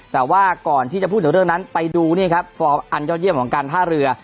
แต่ก่อนพูดถึงเรื่องนั้นไปดูอันยอดเยี่ยมของการท่าเรือ